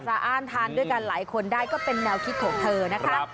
อ้านทานด้วยกันหลายคนได้ก็เป็นแนวคิดของเธอนะคะ